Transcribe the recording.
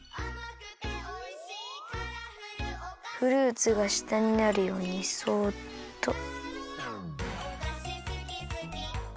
フルーツがしたになるようにそっと。